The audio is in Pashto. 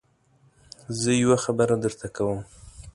زه يوه خبره درته کوم.